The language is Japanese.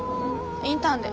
インターンで。